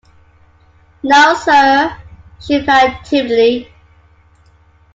‘No, sir,’ she replied timidly.